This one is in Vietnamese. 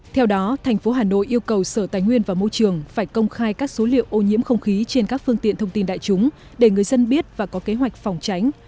theo đó thành phố hà nội yêu cầu sở tài nguyên và môi trường phải công khai các số liệu ô nhiễm không khí trên các phương tiện thông tin đại chúng để người dân biết và có kế hoạch phòng tránh